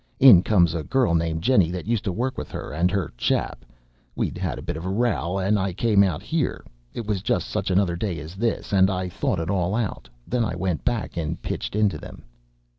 In comes a girl named Jennie, that used to work with her, and her chap. We 'ad a bit of a row, and I came out 'ere it was just such another day as this and I thought it all out. Then I went back and pitched into them."